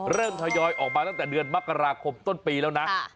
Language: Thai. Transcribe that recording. ทยอยออกมาตั้งแต่เดือนมกราคมต้นปีแล้วนะ